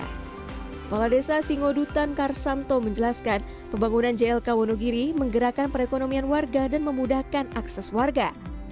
kepala desa singodutan karsanto menjelaskan pembangunan jlk wonogiri menggerakkan perekonomian warga dan memudahkan akses warga